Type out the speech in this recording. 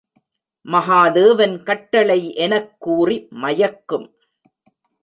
மகாதேவன் கட்டளை எனக் கூறி மயக்கும்!